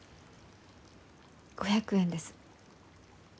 ５００円です。